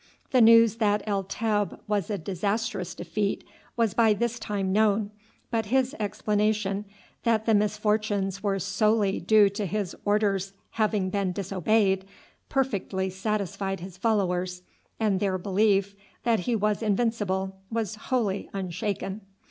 The news that El Teb was a disastrous defeat was by this time known, but his explanation that the misfortunes were solely due to his orders having been disobeyed, perfectly satisfied his followers, and their belief that he was invincible was wholly unshaken.